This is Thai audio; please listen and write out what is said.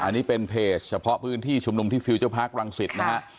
อันนี้เป็นเพจเฉพาะพื้นที่ชุมนุมที่ฟิลเจอร์พาร์ครังสิตนะฮะ